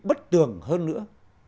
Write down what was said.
vì bất tường hơn nữa